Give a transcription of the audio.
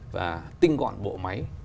và tinh gọn bộ máy